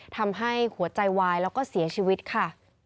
ทำให้หัวใจวายแล้วก็เสียชีวิตค่ะ